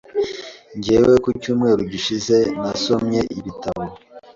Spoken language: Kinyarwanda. Njyewe ku cyumweru gishize nasomye ibitabo.